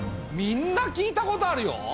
みんな聞いたことあるよ。